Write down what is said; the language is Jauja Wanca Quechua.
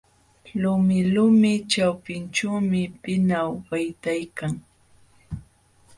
Lumilumi ćhapinćhuumi pinaw waytaykan.